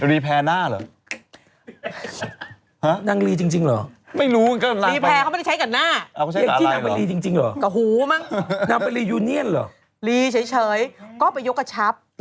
แล้วนางรีแพ้หน้าหรอ